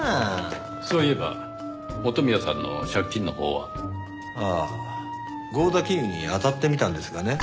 そういえば元宮さんの借金のほうは？ああ合田金融にあたってみたんですがね。